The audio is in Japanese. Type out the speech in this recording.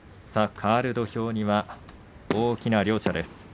かわる土俵には大きな両者です。